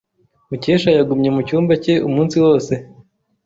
Mukesha yagumye mucyumba cye umunsi wose.